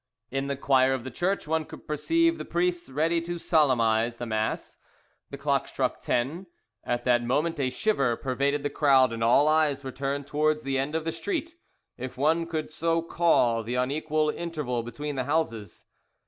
In the choir of the church one could perceive the priests ready to solemnize the mass. The clock struck ten. At that moment a shiver pervaded the crowd and all eyes were turned towards the end of the street, if one could so call the unequal interval between the houses.